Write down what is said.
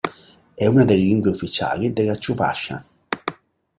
È una delle lingue ufficiali della Ciuvascia.